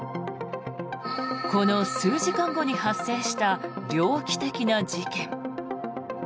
この数時間後に発生した猟奇的な事件。